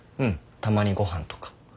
たまにご飯とか。